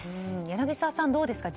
柳澤さん、どうですか。